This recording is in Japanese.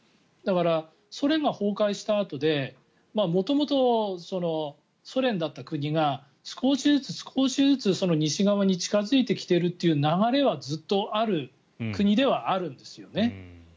だから、ソ連が崩壊したあとで元々、ソ連だった国が少しずつ少しずつ西側に近付いてきているという流れはずっとある国ではあるんですよね。